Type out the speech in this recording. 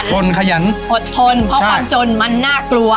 คนขยันอดทนเพราะความจนมันน่ากลัว